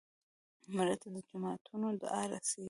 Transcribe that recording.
مړه ته د جوماتونو دعا رسېږي